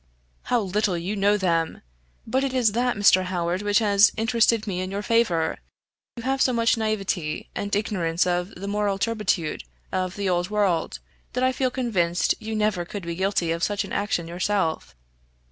"How little you know them! But it is that, Mr. Howard, which has interested me in your favor you have so much naivete, and ignorance of the moral turpitude of the old world, that I feel convinced you never could be guilty of such an action yourself."